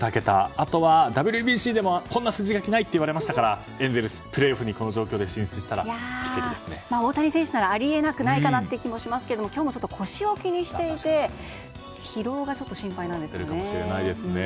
あとはＷＢＣでもこんな筋書はないといわれましたがエンゼルス、プレーオフにこの状況で出場したら大谷選手ならあり得なくないかなという気がしますけど今日、腰を気にしていて疲労が心配なんですよね。